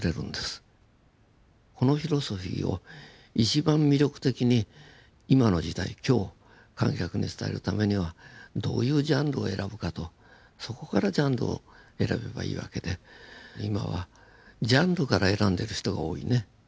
このフィロソフィーを一番魅力的に今の時代今日観客に伝えるためにはどういうジャンルを選ぶかとそこからジャンルを選べばいいわけで今はジャンルから選んでる人が多いね。